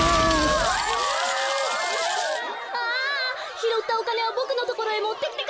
ひろったおかねはボクのところへもってきてください！